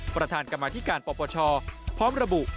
ประธานกรรมธิการปปชพร้อมระบุ